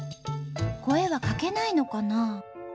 声はかけないのかな？